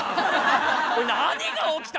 おい何が起きた？